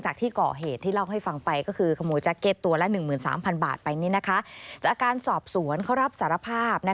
ไปแบบนี้นะคะได้การอาการสอบสวนเขารับสารภาพ